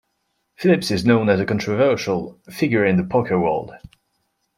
Phillips is known as a controversial figure in the poker world.